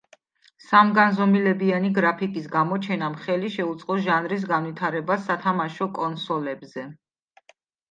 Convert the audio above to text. სამგანზომილებიანი გრაფიკის გამოჩენამ ხელი შეუწყო ჟანრის განვითარებას სათამაშო კონსოლებზე.